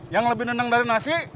yang lebih nendang dari nasi